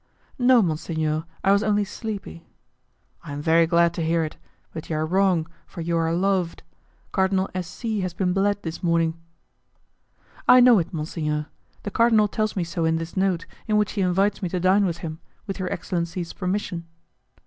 "No, monsignor, I was only sleepy." "I am very glad to hear it; but you are wrong, for you are loved. Cardinal S. C. has been bled this morning." "I know it, monsignor. The cardinal tells me so in this note, in which he invites me to dine with him, with your excellency's permission."